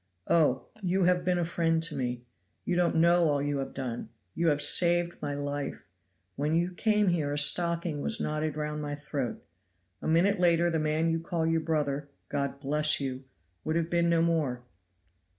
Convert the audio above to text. Oh! you have been a friend to me. You don't know all you have done. You have saved my life. When you came here a stocking was knotted round my throat; a minute later the man you call your brother God bless you would have been no more.